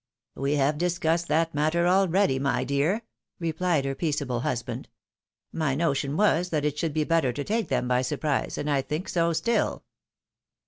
" We have discussed that matter already, my dear," replied her peaceable husband. " My notion was, that it would be better to take them by surprise, and I think so still."